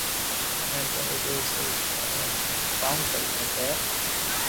مني گھر نو سھي ڪرايا ھارون ڪاو ڪروُ کپي